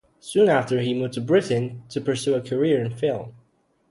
Soon after he moved to Britain to pursue a career in film.